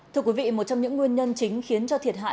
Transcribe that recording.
thưa quý vị một trong những nguyên nhân chính khiến cho thiệt hại